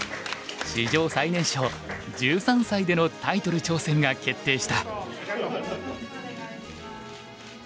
史上最年少１３歳でのタイトル挑戦が決定した。